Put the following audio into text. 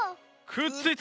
くっついた！